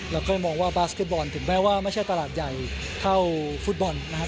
แล้วก็ยังมองว่าบาสเก็ตบอลถึงแม้ว่าไม่ใช่ตลาดใหญ่เท่าฟุตบอลนะครับ